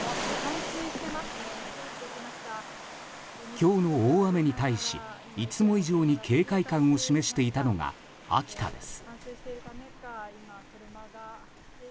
今日の大雨に対しいつも以上に警戒感を示していたのが秋田です。